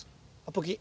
ポキッ。